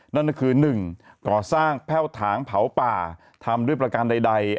นั่นก็คือ๑ก่อสร้างแพ่วถางเผาป่าทำด้วยประการใด